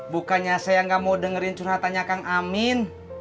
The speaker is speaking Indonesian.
bukannya saya nggak mau dengerin curhatannya kang amin